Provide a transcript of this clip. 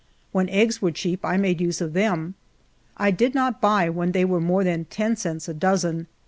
When eggs were cheap, I made use of them. I did not buy when they were more than ten cents a dozen.